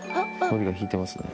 のりが引いてますね。